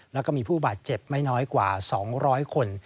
แล้วก็มีผู้บาดเจ็บไม่น้อยกว่า๒๐๐คน